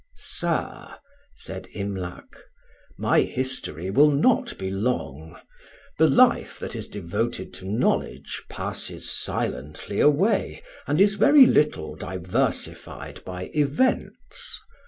"Sir," said Imlac, "my history will not be long: the life that is devoted to knowledge passes silently away, and is very little diversified by events.